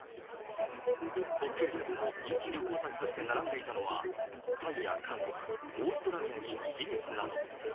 国慶節の人気旅行先として並んでいたのは、タイや韓国、オーストラリアにイギリスなど。